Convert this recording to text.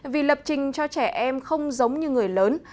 vì lập trình cho trẻ em không giống như người lớn